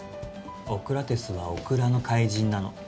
オクラテスはオクラの怪人なの。